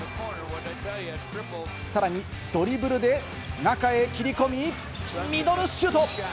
さらにドリブルで中へ切り込み、ミドルシュート！